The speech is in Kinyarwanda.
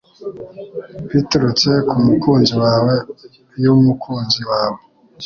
Biturutse ku mukunzi wawe y'umukunzi wawe